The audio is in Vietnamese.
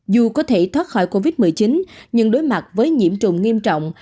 dù có thể thoát khỏi covid một mươi chín nhưng đối mặt với nhiễm trùng nghiêm trọng